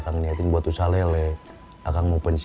kita bisa membeli